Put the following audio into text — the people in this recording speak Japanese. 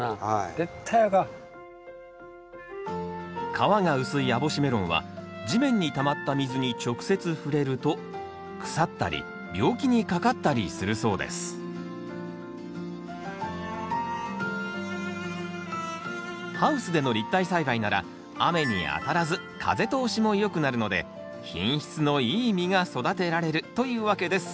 皮が薄い網干メロンは地面にたまった水に直接触れると腐ったり病気にかかったりするそうですハウスでの立体栽培なら雨に当たらず風通しもよくなるので品質のいい実が育てられるというわけです。